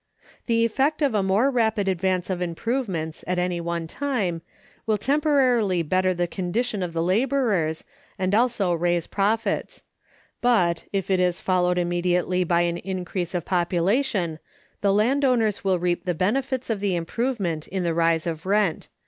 The effect of a more rapid advance of improvements, at any one time, will temporarily better the condition of the laborers and also raise profits; but, if it is followed immediately by an increase of population, the land owners will reap the benefits of the improvement in the rise of rent.